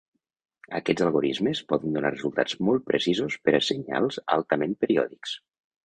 Aquests algorismes poden donar resultats molt precisos per a senyals altament periòdics.